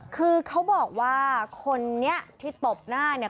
คือเขาบอกว่าคนนี้ที่ตบหน้าเนี่ย